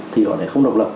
thì họ lại không độc lập